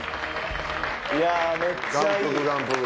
いやめっちゃいい。